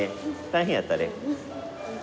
大変やったね。